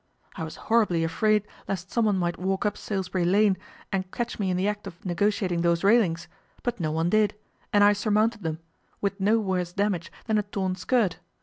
I was horribly afraid lest someone might walk up Salisbury Lane and catch me in the act of negotiating those railings, but no one did, and I surmounted them, with no worse damage than a torn skirt.